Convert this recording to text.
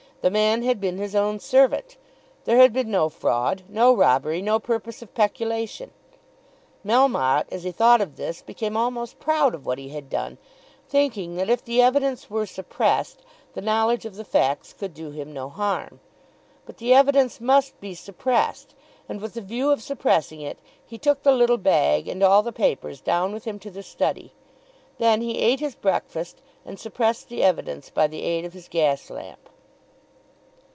The man had been his own servant! There had been no fraud; no robbery; no purpose of peculation. Melmotte, as he thought of this, became almost proud of what he had done, thinking that if the evidence were suppressed the knowledge of the facts could do him no harm. But the evidence must be suppressed, and with the view of suppressing it he took the little bag and all the papers down with him to the study. Then he ate his breakfast, and suppressed the evidence by the aid of his gas lamp.